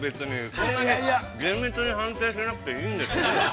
そんなに厳密に判定しなくていいんですよ。